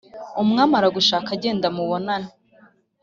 umwami aragushaka.genda mubonane